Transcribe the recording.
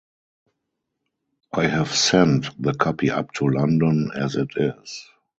I have sent the copy up to London as it is.